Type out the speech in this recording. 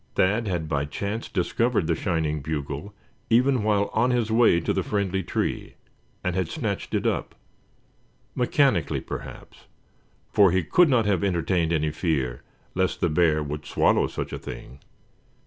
Thad had by chance discovered the shining bugle even while on his way to the friendly tree, and had snatched it up; mechanically perhaps, for he could not have entertained any fear lest the bear would swallow such a thing.